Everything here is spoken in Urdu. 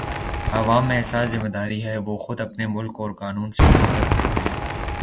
عوام میں احساس ذمہ داری ہے وہ خود اپنے ملک اور قانون سے محبت کرتے ہیں